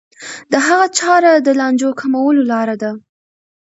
د هغوی چاره د لانجو کمولو لاره ده.